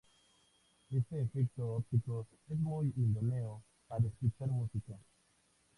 Este efecto óptico es muy idóneo para escuchar música.